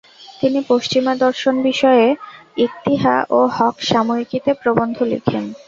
তিনি পশ্চিমা দর্শন বিষয়ে "ইকতিহা" ও "হক" সাময়িকীতে প্রবন্ধ লিখেন।